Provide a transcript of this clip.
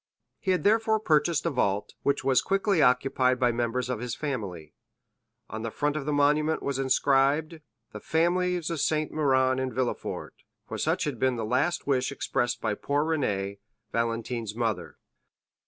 He had therefore purchased a vault, which was quickly occupied by members of his family. On the front of the monument was inscribed: "The families of Saint Méran and Villefort," for such had been the last wish expressed by poor Renée, Valentine's mother.